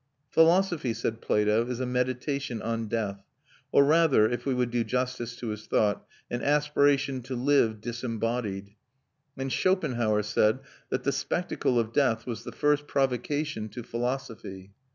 Philosophy, said Plato, is a meditation on death, or rather, if we would do justice to his thought, an aspiration to live disembodied; and Schopenhauer said that the spectacle of death was the first provocation to philosophy.